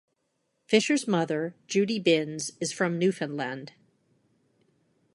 Fisher's mother, Judy Binns, is from Newfoundland.